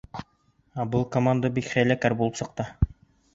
Ә был команда бик хәйләкәр булып сыҡты.